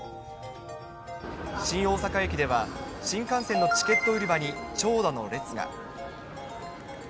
新大阪駅では、新幹線のチケット売り場に長蛇の列が。